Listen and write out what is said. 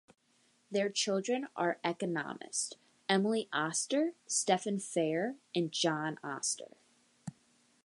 Their children are economist Emily Oster, Stephen Fair, and John Oster.